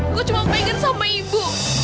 aku cuma ingin sama ibu